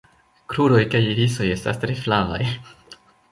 Kruroj kaj irisoj estas tre flavaj.